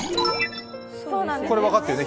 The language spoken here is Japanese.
これ、分かったよね。